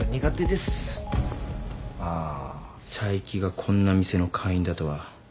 佐伯がこんな店の会員だとは。